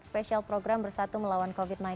special program bersatu melawan covid sembilan belas